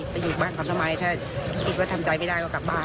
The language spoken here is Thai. อยู่บ้านเขาทำไมถ้าคิดว่าทำใจไม่ได้ก็กลับบ้าน